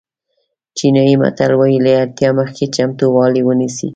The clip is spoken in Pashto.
چینایي متل وایي له اړتیا مخکې چمتووالی ونیسئ.